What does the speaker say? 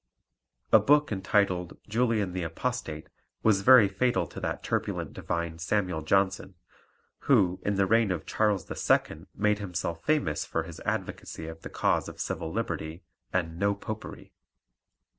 A book entitled Julian the Apostate was very fatal to that turbulent divine Samuel Johnson, who in the reign of Charles II. made himself famous for his advocacy of the cause of civil liberty and "no popery."